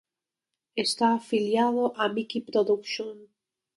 Está afiliado a Miki Production.